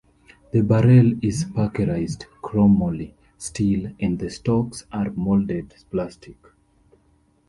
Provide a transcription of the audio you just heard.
The barrel is parkerized chromoly steel and the stocks are molded plastic.